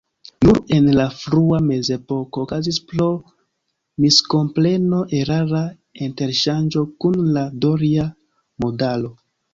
Nur en la frua mezepoko okazis pro miskompreno erara interŝanĝo kun la doria modalo.